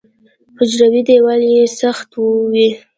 حجروي دیوال یې سخت وي.